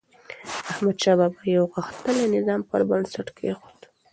احمدشاه بابا د یو غښتلي نظام بنسټ کېښود.